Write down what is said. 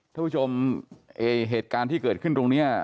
ท่านผู้ชมไอ้เหตุการณ์ที่เกิดขึ้นตรงนี้